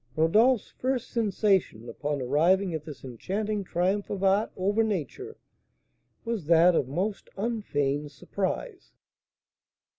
Rodolph's first sensation upon arriving at this enchanting triumph of art over nature was that of most unfeigned surprise.